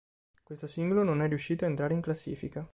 Questo singolo non è riuscito a entrare in classifica.